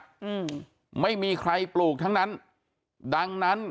สวัสดีคุณผู้ชายสวัสดีคุณผู้ชาย